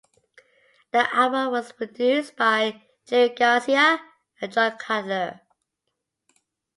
The album was produced by Jerry Garcia and John Cutler.